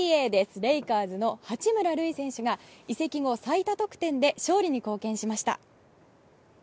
レイカーズの八村塁選手が移籍後最多得点で勝利に貢献しました。